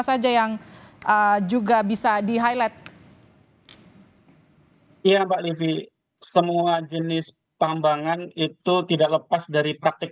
saja yang juga bisa di highlight ya mbak livi semua jenis tambangan itu tidak lepas dari praktik